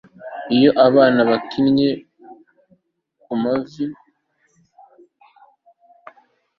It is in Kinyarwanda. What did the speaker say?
Iyo abana bakinnye kumavi